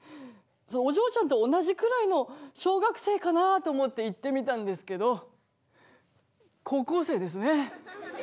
お嬢ちゃんと同じくらいの小学生かなと思って行ってみたんですけど高校生ですね。